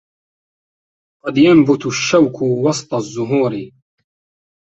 قد ينبت الشوك وسط الزهور